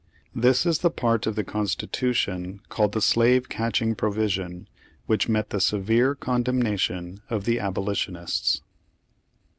This is the part of the Constitution called the slave catching provision which met the severe condemnation of the abolitionists.